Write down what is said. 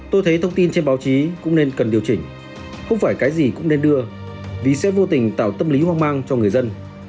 tôi thấy thông tin trên báo chí cũng nên cần điều chỉnh không phải cái gì cũng nên đưa vì sẽ vô tình tạo tâm lý hoang mang cho người dân